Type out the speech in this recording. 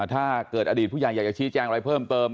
ถ้าเกิดอดีตผู้ใหญ่อยากจะชี้แจงอะไรเพิ่มเติม